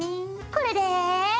これで。